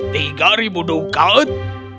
tiga ribu dukat